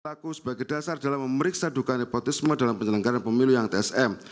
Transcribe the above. aku sebagai dasar dalam memeriksa duka nepotisme dalam penyelenggaran pemilu yang tsm